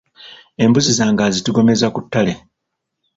Embuzi zange azitigomeza ku ttale.